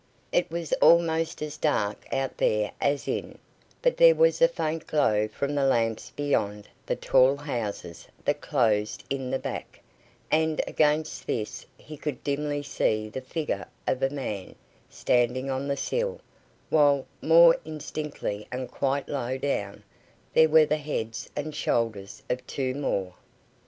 It was almost as dark out there as in; but there was a faint glow from the lamps beyond the tall houses that closed in the back, and against this he could dimly see the figure of a man, standing on the sill, while, more indistinctly and quite low down, there were the heads and shoulders of two more.